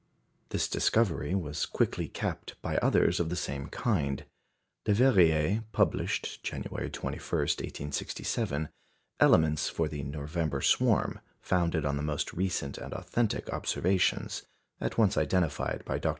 This discovery was quickly capped by others of the same kind. Leverrier published, January 21, 1867, elements for the November swarm, founded on the most recent and authentic observations; at once identified by Dr. C.